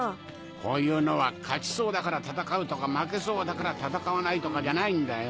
こういうのは勝ちそうだから戦うとか負けそうだから戦わないとかじゃないんだよ